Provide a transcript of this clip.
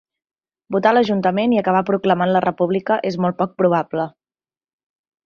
Votar a l'Ajuntament i acabar proclamant la República és molt poc probable.